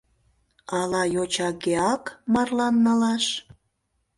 Ала йочагеак марлан налаш?